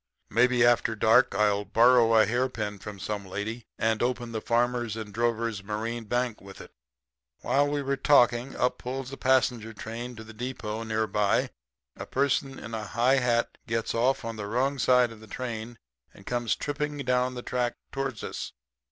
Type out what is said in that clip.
Maybe after dark I'll borrow a hairpin from some lady, and open the Farmers and Drovers Marine Bank with it.' "While we were talking, up pulls a passenger train to the depot near by. A person in a high hat gets off on the wrong side of the train and comes tripping down the track towards us.